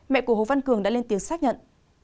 mẹ của hồ văn cường đã lên tiếng xác nhận